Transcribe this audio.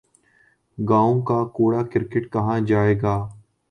گاؤں کا کوڑا کرکٹ کہاں جائے گا۔